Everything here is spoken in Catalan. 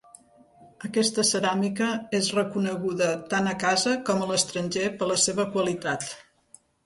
Aquesta ceràmica és reconeguda tant a casa com a l'estranger per la seva qualitat.